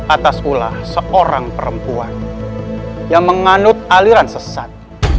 atas ulah seorang perempuan yang menganut aliran sesat